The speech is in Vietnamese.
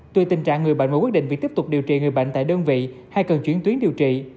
tuy tình trạng người bệnh và quyết định việc tiếp tục điều trị người bệnh tại đơn vị hay cần chuyển tuyến điều trị